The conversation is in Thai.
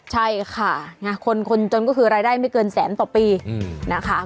ใช่ค่ะคนคนจนก็คือรายได้ไม่เกินแสนต่อปีนะคะ